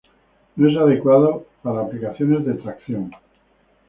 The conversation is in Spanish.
No es adecuado para aplicaciones de tracción.